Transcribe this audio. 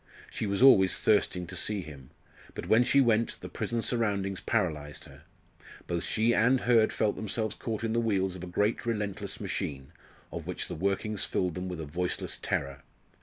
She was always thirsting to see him. But when she went, the prison surroundings paralysed her. Both she and Hurd felt themselves caught in the wheels of a great relentless machine, of which the workings filled them with a voiceless terror.